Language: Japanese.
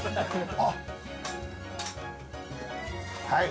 あっ、はい。